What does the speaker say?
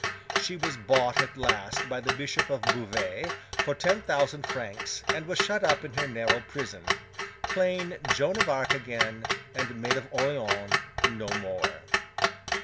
She was bought at last by the Bishop of Beauvais for ten thousand francs, and was shut up in her narrow prison: plain Joan of Arc again, and Maid of Orleans no more.